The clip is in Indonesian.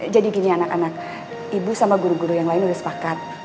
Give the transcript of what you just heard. jadi gini anak anak ibu sama guru guru yang lain udah sepakat